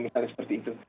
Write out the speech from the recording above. misalnya seperti itu